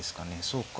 そうか。